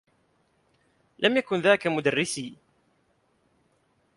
لم يكن ذاك مدرّسي.